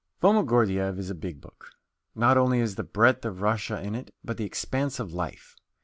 "Foma Gordyeeff" is a big book not only is the breadth of Russia in it, but the expanse of life.